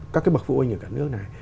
các cái bậc phụ huynh ở cả nước này